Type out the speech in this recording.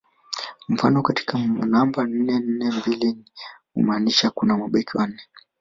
Mfano katika namba nne nne mbili hii humaanisha kuna mabeki wane